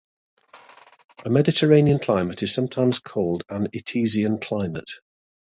A Mediterranean climate is sometimes called an etesian climate.